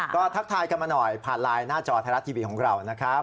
ก็ทักทายกันมาหน่อยผ่านไลน์หน้าจอไทยรัฐทีวีของเรานะครับ